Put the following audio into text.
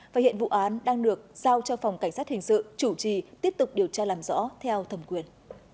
và hiện vụ án đang được giao cho phòng cảnh sát hình sự chủ trì tiếp tục điều tra làm rõ theo thẩm quyền